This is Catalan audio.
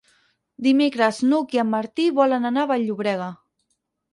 Dimecres n'Hug i en Martí volen anar a Vall-llobrega.